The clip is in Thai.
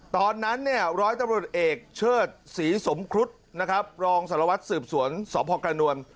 ตอนนั้นเนี่ยร้อยตำรวจเอกเชิดศรีสมครุฑนะครับรองสารวัตรสืบสวนสพกระนวล